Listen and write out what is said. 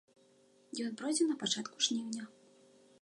Ён пройдзе на пачатку жніўня.